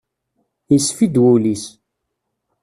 Isfi-d wul-is.